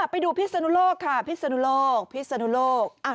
ไปดูพี่สนุโลกค่ะพี่สนุโลกพี่สนุโลก